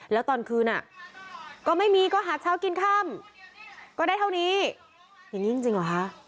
แล้วตอนคืนก็ไม่มีก็หาเช้ากินค่ำก็ได้เท่านี้อย่างนี้จริงเหรอคะ